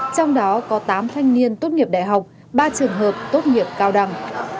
trong đó có tám thanh niên tốt nghiệp đại học ba trường hợp tốt nghiệp cao đẳng